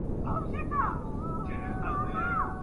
روغتیایي کارکوونکي څنګه ځان ساتي؟